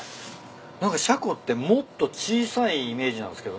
何かシャコってもっと小さいイメージなんすけどね。